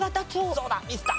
そうだミスった。